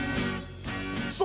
そう。